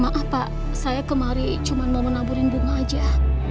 maaf pak saya kemari cuma mau menaburin bunga aja